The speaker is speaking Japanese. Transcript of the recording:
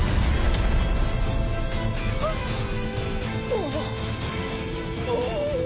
ああ。